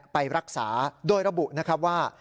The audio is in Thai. ไปรักษาโดยระบุนะครับว่า